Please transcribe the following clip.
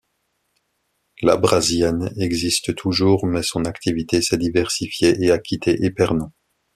L'Abrasienne existe toujours, mais son activité s'est diversifiée et a quitté Épernon.